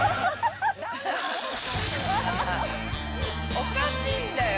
おかしいんだよ。